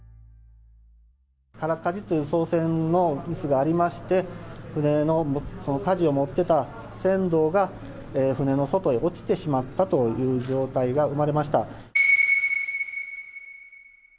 空かじという操船のミスがありまして、船のかじを持っていた船頭が船の外へ落ちてしまったという状態が生まれました。